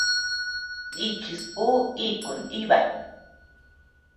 Nichis ú iku nʼiba.